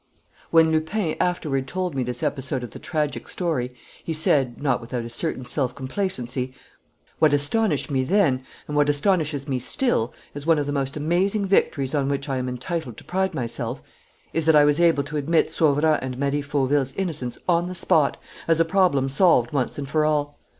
When Lupin afterward told me this episode of the tragic story, he said, not without a certain self complacency: "What astonished me then, and what astonishes me still, as one of the most amazing victories on which I am entitled to pride myself, is that I was able to admit Sauverand and Marie Fauville's innocence on the spot, as a problem solved once and for all.